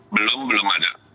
belum belum ada